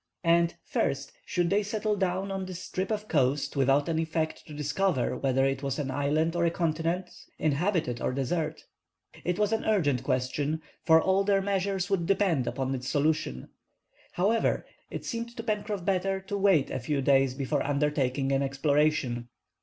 And, first, should they settle down on this strip of coast without an effort to discover whether it was island or continent, inhabited or desert? It was an urgent question, for all their measures would depend upon its solution. However, it seemed to Pencroff better to wait a few days before undertaking an exploration.